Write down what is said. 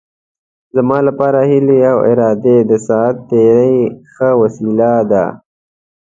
زما لپاره هیلې او ارادې د ساعت تېرۍ ښه وسیله ده.